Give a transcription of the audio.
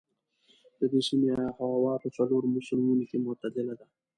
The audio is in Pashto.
د دې سيمې هوا په څلورو موسمونو کې معتدله ده.